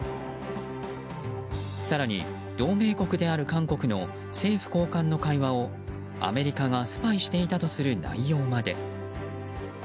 更に、同盟国である韓国の政府高官の会話をアメリカがスパイしていたとする内容まで。